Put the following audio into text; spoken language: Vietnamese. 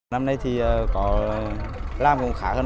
năm nay thì có làm cũng khá hơn năm